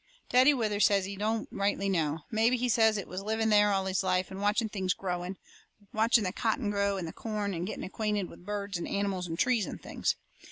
Daddy Withers says he don't rightly know. Mebby, he says, it was living there all his life and watching things growing watching the cotton grow, and the corn and getting acquainted with birds and animals and trees and things.